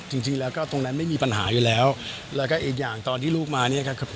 จริงจริงแล้วก็ตรงนั้นไม่มีปัญหาอยู่แล้วแล้วก็อีกอย่างตอนที่ลูกมาเนี่ยครับ